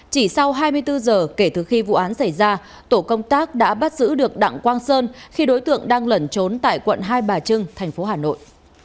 chỉ sau hai mươi bốn giờ kể từ khi vụ án xảy ra tổ công tác đã bắt giữ được đặng quang sơn khi đối tượng đang lẩn trốn tại quận hai bà trưng thành phố hà nội